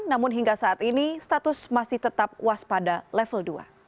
namun hingga saat ini status masih tetap waspada level dua